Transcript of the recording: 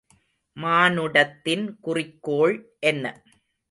மானுடத்தின் குறிக்கோள் என்ன?